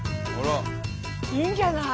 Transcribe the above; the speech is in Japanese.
いいんじゃない？